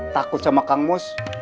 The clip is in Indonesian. takut sama kang mus